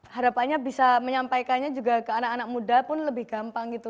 harapannya bisa menyampaikannya juga ke anak anak muda pun lebih gampang gitu